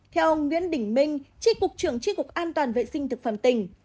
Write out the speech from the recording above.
theo ông nguyễn đỉnh minh trị cục trưởng trị cục an toàn vệ sinh thực phẩm tỉnh